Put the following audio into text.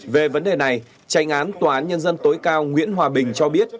về vấn đề này tranh án tòa án nhân dân tối cao nguyễn hòa bình cho biết